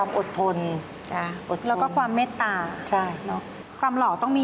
เออต้องเหลือสักคนสองคนสิตรงนี้ค่ะยังมี